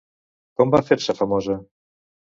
Com va fer-se famosa?